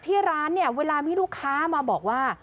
ที่ร้านเนี่ยเวลามีลูกค้ามาบอกว่า